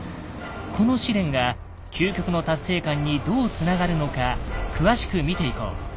この試練が「究極の達成感」にどうつながるのか詳しく見ていこう。